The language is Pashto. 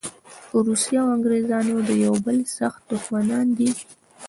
روسیه او انګریزان د یوه بل سخت دښمنان دي.